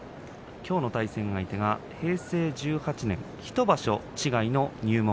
きょうの対戦相手は平成１８年１場所違いの入門。